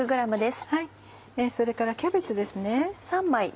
それからキャベツですね。